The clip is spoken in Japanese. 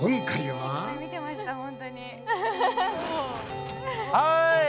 はい。